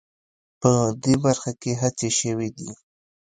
په دې برخه کې هڅې شوې دي